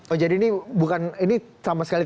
oh jadi ini bukan ini sama sekali